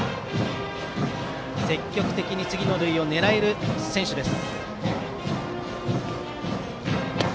積極的に次の塁を狙える選手です。